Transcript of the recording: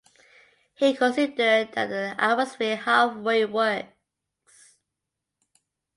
He considered that the atmosphere "halfway" works.